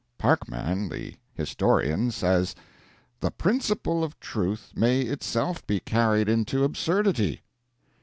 Parkman, the historian, says, "The principle of truth may itself be carried into an absurdity."